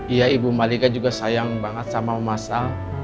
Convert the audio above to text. iya ibu malika juga sayang banget sama masa